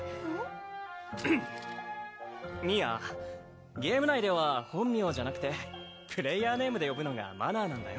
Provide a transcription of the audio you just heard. ミーアゲーム内では本名じゃなくてプレイヤーネームで呼ぶのがマナーなんだよ。